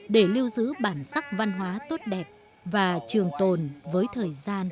để lưu giữ bản sắc văn hóa tốt đẹp và trường tồn với thời gian